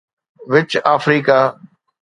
which Africa